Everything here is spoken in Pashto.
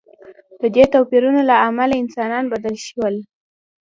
د دې توپیرونو له امله انسانان بدل شول.